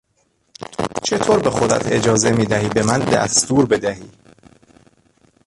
چطور به خودت اجازه میدهی به من دستور بدهی!